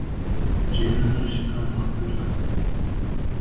Rêveber ji kar hat dûrxistin.